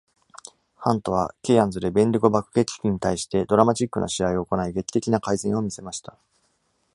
ハントはケアンズでベンディゴ爆撃機に対してドラマチックな試合を行い、劇的な改善を見せました。